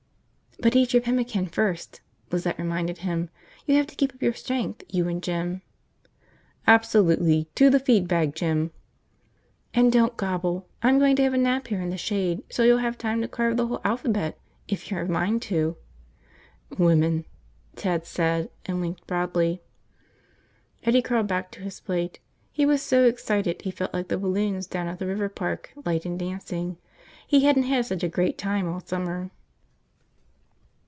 "But eat your pemmican first," Lizette reminded him. "You have to keep up your strength, you and Jim." "Absolutely. To the feed bag, Jim!" "And don't gobble. I'm going to have a nap here in the shade so you'll have time to carve the whole alphabet if you're a mind to." "Women," Ted said, and winked broadly. Eddie crawled back to his plate. He was so excited he felt like the balloons down at the river park, light and dancing. He hadn't had such a great time all summer.